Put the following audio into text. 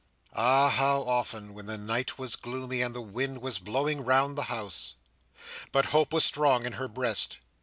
Ah! how often, when the night was gloomy, and the wind was blowing round the house! But hope was strong in her breast.